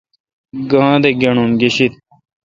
گاں دہ گݨوم گیشد۔؟